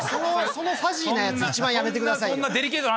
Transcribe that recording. そのファジーなやつ一番やめてくださいよ。